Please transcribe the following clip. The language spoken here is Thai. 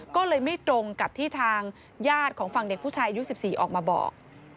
ก็เลยไม่ตรงกับที่ทางญาติของฝั่งเด็กผู้ชายอายุ๑๔ออกมาบอก